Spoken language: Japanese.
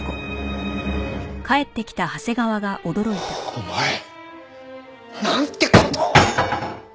お前なんて事を！